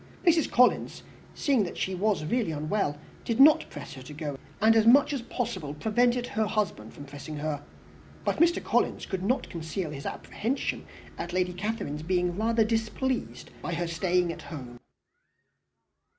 Mrs. Collins, seeing that she was really unwell, did not press her to go, and as much as possible prevented her husband from pressing her; but Mr. Collins could not conceal his apprehension of Lady Catherine's being rather displeased by her staying at home.